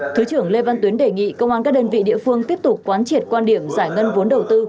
thứ trưởng lê văn tuyến đề nghị công an các đơn vị địa phương tiếp tục quán triệt quan điểm giải ngân vốn đầu tư